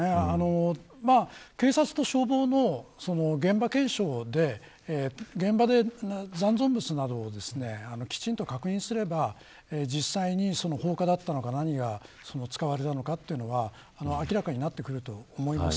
警察と消防の現場検証で残存物などをきちんと確認すれば実際に放火だったのか何が使われたのかということは明らかになってくると思います。